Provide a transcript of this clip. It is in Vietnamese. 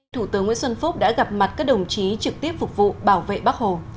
thủ tướng nguyễn xuân phúc đã gặp mặt các đồng chí trực tiếp phục vụ bảo vệ bắc hồ